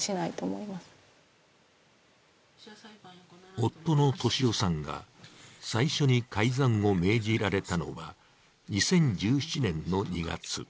夫の俊夫さんが最初に改ざんを命じられたのは２０１７年の２月。